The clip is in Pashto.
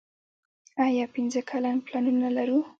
آیا پنځه کلن پلانونه لرو؟